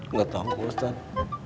nggak tahu ustadz